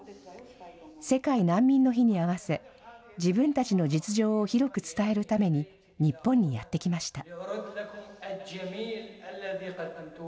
世界難民の日に合わせ、自分たちの実情を広く伝えるために日本にやって来ました。